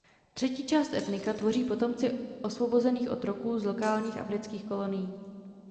Třetí část etnika tvoří potomci osvobozených otroků z lokálních afrických kolonií.